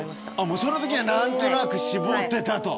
もうその時には何となく絞ってたと。